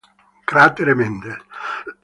Cratere Mendel